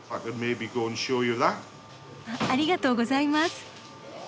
ありがとうございます。